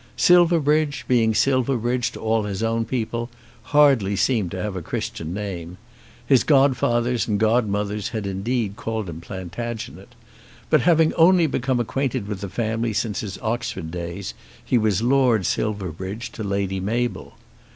Silverbridge, being Silverbridge to all his own people, hardly seemed to have a Christian name; his godfathers and godmothers had indeed called him Plantagenet; but having only become acquainted with the family since his Oxford days he was Lord Silverbridge to Lady Mabel.